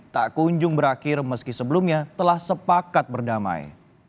tak kunjung berakhir meski sebelumnya telah sepakat berdamai